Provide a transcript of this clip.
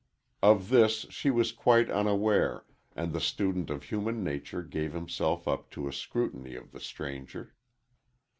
Of this she was quite unaware, and the student of human nature gave himself up to a scrutiny of the stranger.